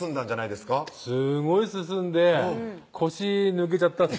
ーごい進んで腰抜けちゃったす